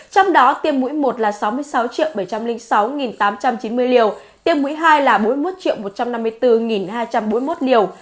trong đó tiêm mũi một là sáu mươi sáu bảy trăm linh sáu tám trăm chín mươi liều tiêm mũi hai là bốn mươi một một trăm năm mươi bốn hai trăm bốn mươi một liều